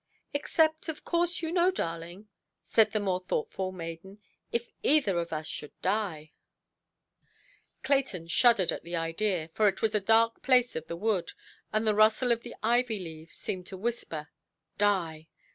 "Except, of course, you know, darling", said the more thoughtful maiden, "if either of us should die". Clayton shuddered at the idea, for it was a dark place of the wood, and the rustle of the ivy–leaves seemed to whisper "die".